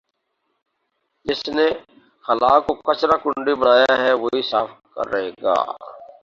جس نے خلاکو کچرا کنڈی بنایا ہے وہی صاف کرے گا